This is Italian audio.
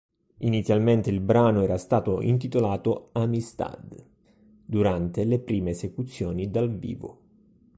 Inizialmente il brano era stato intitolato "Amistad" durante le prime esecuzioni dal vivo.